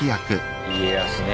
家康ね。